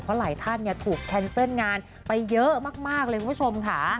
เพราะหลายท่านถูกแคนเซิลงานไปเยอะมากเลยคุณผู้ชมค่ะ